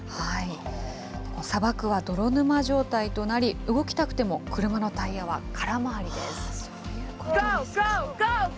砂漠は泥沼状態となり、動きたくても車のタイヤは空回りです。